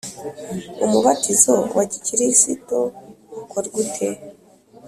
umubatizo wagikirisito ukorwa ute?